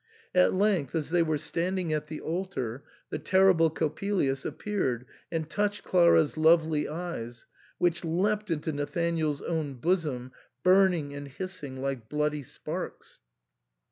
At length, as they were standing at the altar, the terrible Coppelius appeared and touched Clara's lovely eyes, which leapt into Nathanael's own bosom, burning and hissing like bloody sparks.